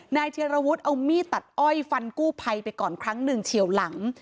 เทียรวุฒิเอามีดตัดอ้อยฟันกู้ภัยไปก่อนครั้งหนึ่งเฉียวหลัง